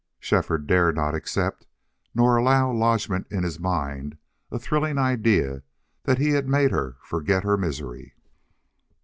Shefford dared not accept, nor allow lodgment in his mind, a thrilling idea that he had made her forget her misery.